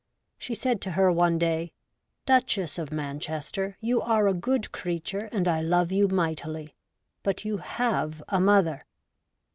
She said to her one day, ' Duchess of Manchester, you are a good creature, and I love you mightily — but you have a mother